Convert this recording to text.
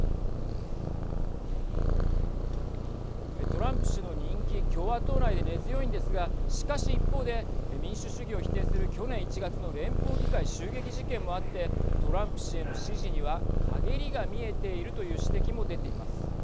トランプ氏の人気共和党内で根強いんですがしかし一方で民主主義を否定する去年１月の連邦議会襲撃事件もあってトランプ氏への支持には陰りが見えているという指摘も出ています。